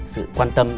sự quan tâm